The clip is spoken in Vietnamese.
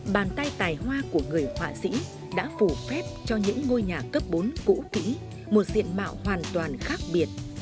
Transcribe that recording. bàn tay tài hoa của người họa sĩ đã phủ phép cho những ngôi nhà cấp bốn cũ kỹ một diện mạo hoàn toàn khác biệt